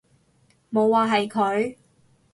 冇話係佢